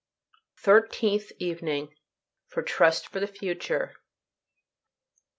THIRTEENTH EVENING. FOR TRUST FOR THE FUTURE.